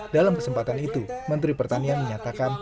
dalam kesempatan itu menteri pertanian menyatakan